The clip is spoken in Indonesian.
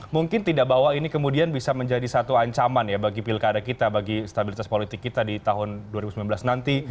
mungkin tidak bahwa ini kemudian bisa menjadi satu ancaman ya bagi pilkada kita bagi stabilitas politik kita di tahun dua ribu sembilan belas nanti